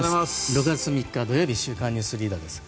６月３日、土曜日「週刊ニュースリーダー」です。